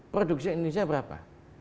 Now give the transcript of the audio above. produksi indonesia berapa